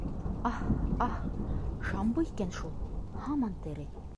Аһ-аһ, шамбы икән шул... һаман тере...